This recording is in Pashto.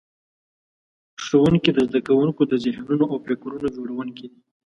ښوونکي د زده کوونکو د ذهنونو او فکرونو جوړونکي دي.